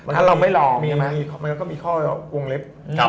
ถ้าเราไม่รอมันก็มีข้อวงเล็บ